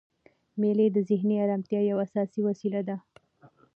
مېلې د ذهني ارامتیا یوه اساسي وسیله ده.